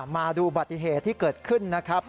มาดูบัติเหตุที่เกิดขึ้นนะครับ